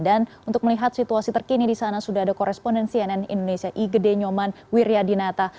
dan untuk melihat situasi terkini di sana sudah ada koresponden cnn indonesia igede nyoman wiryadinata